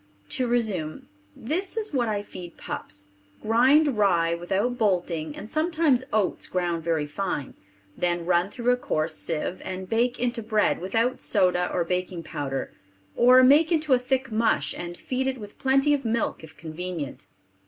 To resume: This is what I feed pups: grind rye without bolting and sometimes oats ground very fine; then run through a coarse sieve, and bake into bread without soda or baking powder, or make into a thick mush and feed it with plenty of milk if convenient.